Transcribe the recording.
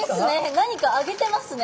何か揚げてますね。